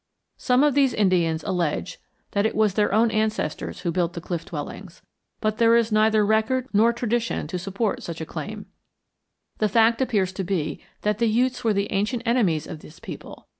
Some of these Indians allege that it was their own ancestors who built the cliff dwellings, but there is neither record nor tradition to support such a claim. The fact appears to be that the Utes were the ancient enemies of this people.